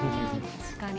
確かに。